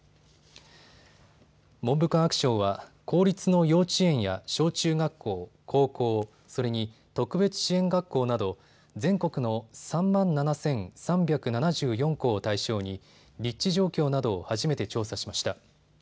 文部科学省は公立の幼稚園や小中学校、高校、それに特別支援学校など全国の３万７３７４校を対象に立地状況などを初めて調査しました。